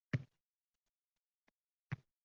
Shu bola tugʻiladi deb keldim.